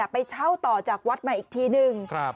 ไปเช่าต่อจากวัดใหม่อีกทีหนึ่ง